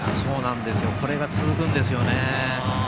これが続くんですよね。